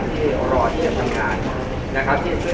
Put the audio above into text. ใช่ผมได้ควบคุมกับความควบคุมในการควบคุม